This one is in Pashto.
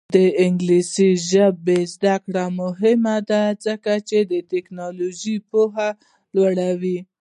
د انګلیسي ژبې زده کړه مهمه ده ځکه چې تکنالوژي پوهه لوړوي.